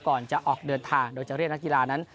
ก่อนจะออกเดินทางโดยจะเรียกนักกีฬานั้น